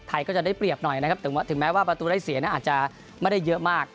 ไทยก็จะได้เปรียบหน่อยนะครับถึงแม้ว่าประตูได้เสียอาจจะไม่ได้เยอะมาก